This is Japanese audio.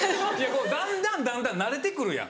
だんだんだんだん慣れてくるやん。